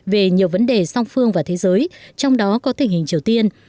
về nhiều vấn đề song phương và thế giới trong đó có tình hình triều tiên